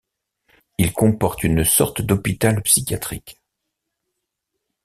Il comporte une sorte d’hôpital psychiatrique.